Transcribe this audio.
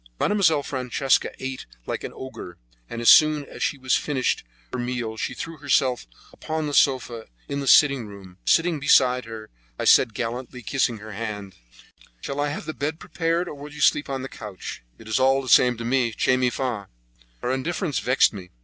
Mademoiselle Francesca ate like an ogre, and as soon as she had finished her meal she threw herself upon the sofa in the sitting room. Sitting down beside her, I said gallantly, kissing her hand: "Shall I have the bed prepared, or will you sleep on the couch?" "It is all the same to me. 'Che mi fa'!" Her indifference vexed me.